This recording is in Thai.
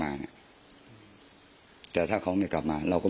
มีเรื่องอะไรมาคุยกันรับได้ทุกอย่าง